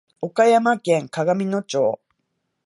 岡山県鏡野町